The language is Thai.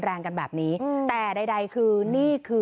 เท่าไหร่ค่ะ๒๐๐๓๐๐เมตรค่ะ